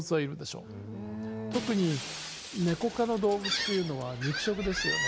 特にネコ科の動物というのは肉食ですよね。